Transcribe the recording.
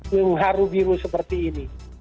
mengharu biru seperti ini